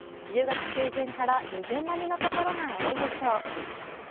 １０月中旬から下旬並みのところが多いでしょう。